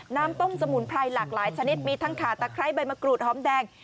น้ำต้มสมุนไพรหลากหลายชนิดมีทั้งขาตะไคร้ใบมะกรูดหอมแดง